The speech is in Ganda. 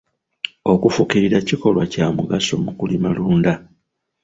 Okufukirira kikolwa kya mugaso mu kulimalunda.